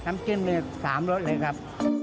ทำกินมี๓รสเลยครับ